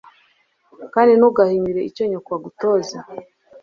kandi ntugahinyure icyo nyoko agutoza